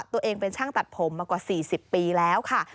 ตัวเองเป็นช่างตัดผมมากว่า๔๐ปีแล้วค่ะ